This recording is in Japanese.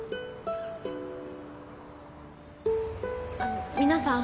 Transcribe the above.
あの皆さん